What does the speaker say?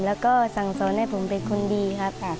แล้วก็สั่งสอนให้ผมเป็นคนดีครับ